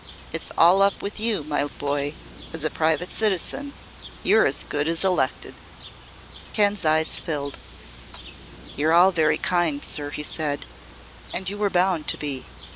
It's all up with you, my boy, as a private citizen. You're as good as elected." Ken's eyes filled. "You're all very kind, sir," he said, "as you were bound to be.